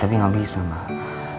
aku pulang ini buat siap siap